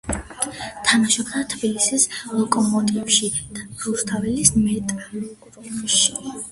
თამაშობდა თბილისის „ლოკომოტივში“ და რუსთავის „მეტალურგში“.